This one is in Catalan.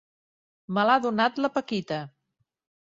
Me l'ha donat la Paquita.